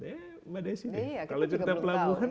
ya badai sini kalau kita pelabuhan